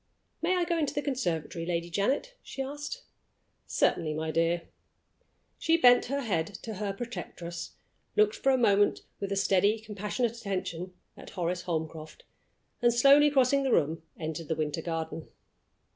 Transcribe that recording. "May I go into the conservatory, Lady Janet?" she asked. "Certainly, my dear." She bent her head to her protectress, looked for a moment with a steady, compassionate attention at Horace Holmcroft, and, slowly crossing the room, entered the winter garden.